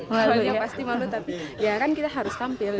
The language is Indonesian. yang pasti malu tapi ya kan kita harus tampil